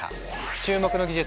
注目の技術